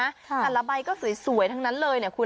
แต่ละใบก็สวยทั้งนั้นเลยเนี่ยคุณ